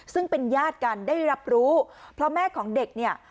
ซึ่งเป็นญาติกันได้รับรู้เพราะแม่ของเด็กเนี่ย